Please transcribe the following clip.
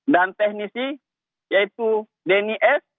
dan teknisi yaitu denny s